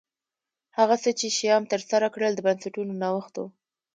هغه څه چې شیام ترسره کړل د بنسټونو نوښت و